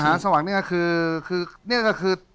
มหาสวัสดิ์คือนี่ก็คือ